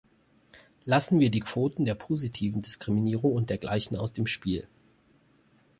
Lassen wir die Quoten der positiven Diskriminierung und dergleichen aus dem Spiel.